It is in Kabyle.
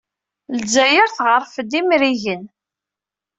Lezzayer tɣerref-d imrigen.